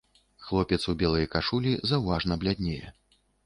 Хлопец у белай кашулі заўважна бляднее.